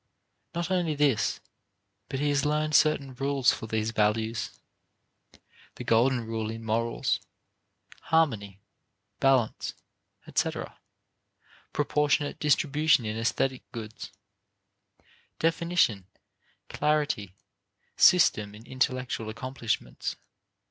Not only this, but he has learned certain rules for these values the golden rule in morals; harmony, balance, etc., proportionate distribution in aesthetic goods; definition, clarity, system in intellectual accomplishments.